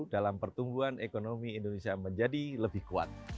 dalam pertumbuhan ekonomi indonesia menjadi lebih kuat